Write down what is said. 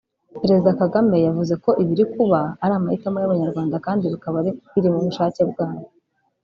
Perezida Kagame yavuze ko ibiri kuba ari amahitamo y’Abanyarwanda kandi bikaba biri mu bushake bwabo